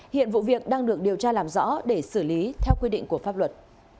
hiện vụ việc đang được điều tra làm rõ để xử lý theo quy định của pháp luật